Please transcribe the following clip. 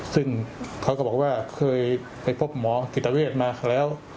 ซึ่งเขาก็บอกว่าเคยไปพบหมอจิตเวทมาแล้ว